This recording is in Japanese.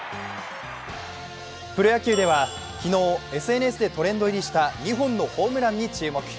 プロ野球では昨日、ＳＮＳでトレンド入りした２本のホームランに注目。